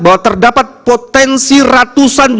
bahwa terdapat potensi ratusan